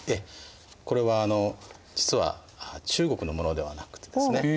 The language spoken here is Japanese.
これは実は中国のものではなくてですね